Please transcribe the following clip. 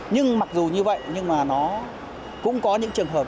nhưng mặc dù như vậy nhưng mà nó cũng có những trường hợp